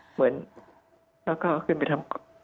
เหมือนแล้วก็ขึ้นไปทำ